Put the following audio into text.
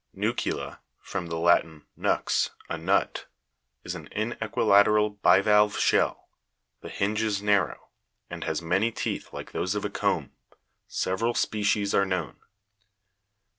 Nu'cula (from the Latin, nux, a nut) is an inequilateral bivalve shell; the hinge is narrow, and has many teeth like those of a comb : several species are known.